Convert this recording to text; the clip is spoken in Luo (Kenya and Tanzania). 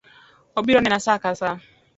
Obiro nena saa ka sa